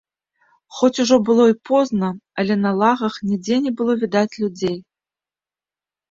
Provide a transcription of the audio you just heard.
Хоць ужо было і позна, але на лагах нідзе не было відаць людзей.